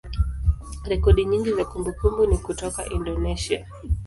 rekodi nyingi za kumbukumbu ni kutoka Indonesia.